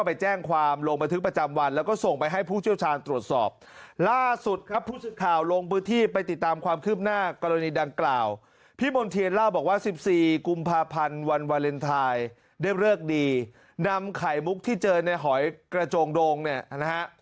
พี่มนต์เทียนเล่าบอกว่าสิบสี่กุมภพรรณวันวาเลนไทน์ได้เลือกดีนำไข่มุกที่เจอในหอยกระโจงโดงเนี่ยนะฮะ